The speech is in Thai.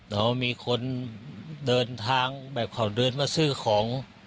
เรามีคนเดินทางแบบเขาเดินมาซื้อของ